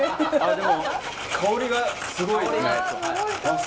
でも香りがすごいですね。